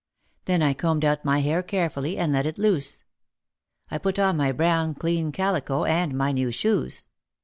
Then I combed out my hair carefully and let it loose. I put on my brown clean calico and my new shoes.